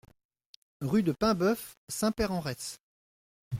Rue de Paimboeuf, Saint-Père-en-Retz